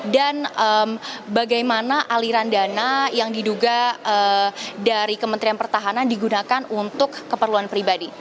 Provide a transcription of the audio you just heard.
dan bagaimana aliran dana yang diduga dari kementerian pertahanan digunakan untuk keperluan pribadi